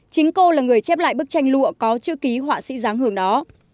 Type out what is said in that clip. chính cô là người chép lại bức tranh lụa có chữ ký họa sĩ giáng hường đó